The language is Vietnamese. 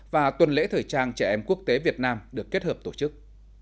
và tuần lễ thời trang trẻ em quốc tế việt nam được kết hợp tổ chức